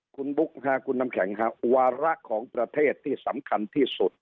คุณบุ๊คคุณน้ำแข็งวาระของประเทศที่สำคัญที่สุด